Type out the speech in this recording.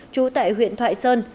trú tại huyện thoại sơn